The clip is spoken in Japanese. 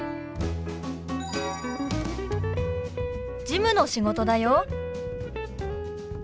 事務の仕事だよ。